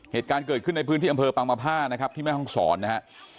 เหตุการณ์เกิดขึ้นในพื้นที่อำเภอปังมาภานะครับที่แม่ห้องศรนะฮะ